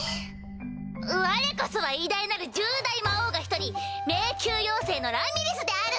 われこそは偉大なる十大魔王がひとり迷宮妖精のラミリスである！